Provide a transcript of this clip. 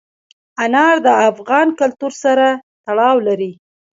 انار د افغان کلتور سره تړاو لري.